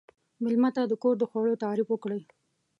مېلمه ته د کور د خوړو تعریف وکړئ.